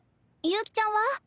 悠希ちゃんは？